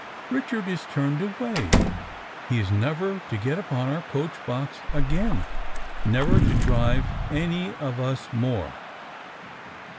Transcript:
"Richard is turned away; he is never to get upon our coach box again, never to drive any of us more."